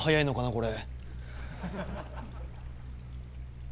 これ。